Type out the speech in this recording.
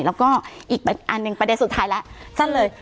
แล้วก็อีกอันหนึ่งประเด็นสุดท้ายแล้วสั้นเลย